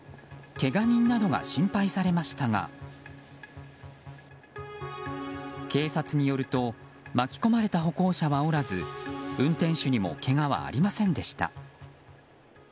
けが人などが心配されましたが警察によると巻き込まれた歩行者はおらず運転手にもけがはありませんでした。